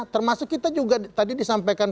termasuk kita juga tadi disampaikan